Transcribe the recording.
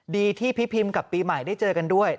ดีที่พี่พิมกับปีใหม่ได้เจอกันด้วย